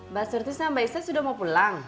mbak surtis sama mbak isya sudah mau pulang